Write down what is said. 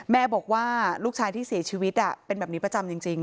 แม่บอกว่าลูกชายที่เสียชีวิตเป็นแบบนี้ประจำจริง